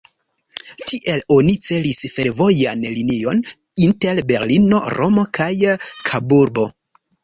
Tiel oni celis fervojan linion inter Berlino, Romo kaj Kaburbo.